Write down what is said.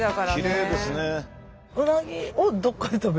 きれいですね。